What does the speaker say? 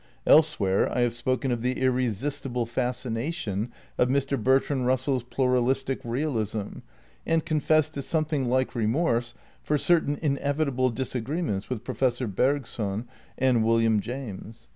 Elsewhere I have spoken of the irresistible fascination of Mr. Bertrand Russell's pluralistic realism and confessed to some thing like remorse for certain inevitable disagreements with Professor Bergson and William James.